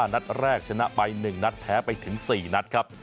นัดแรกชนะไป๑นัดแพ้ไปถึง๔นัดครับ